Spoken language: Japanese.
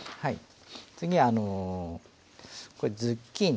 次はあのこれズッキーニ。